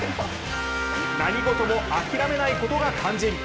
何事も、諦めないことが肝心。